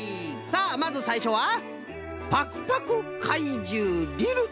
さあまずさいしょは「パクパク怪獣リル」